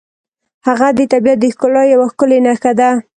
هغه د طبیعت د ښکلا یوه ښکلې نښه ده.